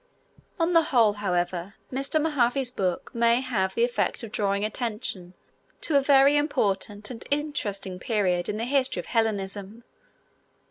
On the whole, however, Mr. Mahaffy's book may have the effect of drawing attention to a very important and interesting period in the history of Hellenism.